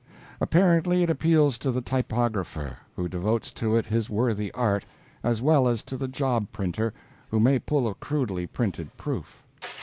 Apparently it appeals to the typographer, who devotes to it his worthy art, as well as to the job printer, who may pull a crudely printed proof.